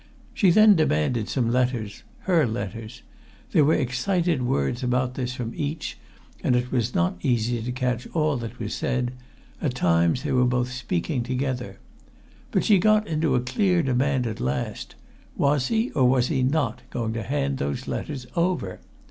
She then demanded some letters her letters; there were excited words about this from each, and it was not easy to catch all that was said; at times they were both speaking together. But she got in a clear demand at last was he or was he not going to hand those letters over?